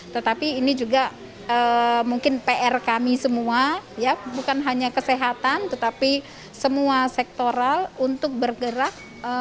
tetapi ini juga mungkin pr kami semua ya bukan hanya kesehatan tetapi semua sektoral untuk bergerak